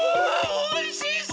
おいしそう！